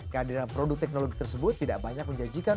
kehadiran produk teknologi tersebut tidak banyak menjanjikan